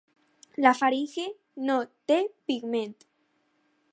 La faringe no té pigment.